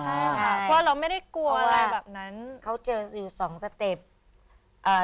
ใช่ค่ะเพราะเราไม่ได้กลัวอะไรแบบนั้นเขาเจออยู่สองสเต็ปอ่า